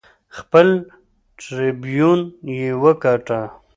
خپل ټربیون یې وټاکه